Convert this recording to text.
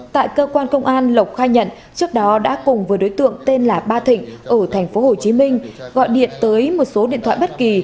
tại cơ quan công an lộc khai nhận trước đó đã cùng với đối tượng tên là ba thịnh ở tp hcm gọi điện tới một số điện thoại bất kỳ